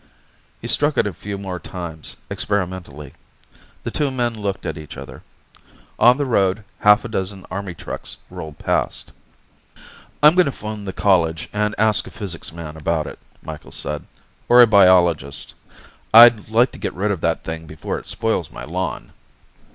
He struck it a few more times, experimentally. The two men looked at each other. On the road, half a dozen Army trucks rolled past. "I'm going to phone the college and ask a physics man about it," Micheals said. "Or a biologist. I'd like to get rid of that thing before it spoils my lawn."